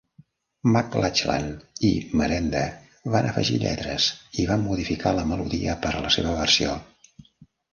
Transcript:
McLachlan i Merenda van afegir lletres i van modificar la melodia per a la seva versió.